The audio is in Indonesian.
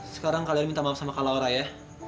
sekarang kalian minta maaf sama kak laura ya